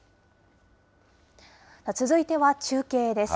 続いては中継です。